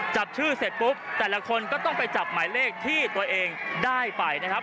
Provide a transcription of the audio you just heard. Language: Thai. จับชื่อเสร็จปุ๊บแต่ละคนก็ต้องไปจับหมายเลขที่ตัวเองได้ไปนะครับ